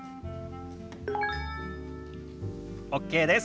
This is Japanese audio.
ＯＫです。